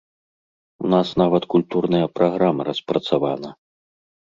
У нас нават культурная праграма распрацавана.